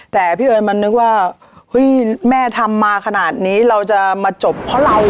แต่พี่เอิญมันนึกว่าเฮ้ยแม่ทำมาขนาดนี้เราจะมาจบเพราะเรา